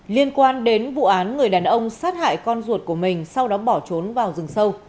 liên quan đến vụ án người đàn ông sát hại con ruột của mình sau đó bỏ trốn vào rừng sâu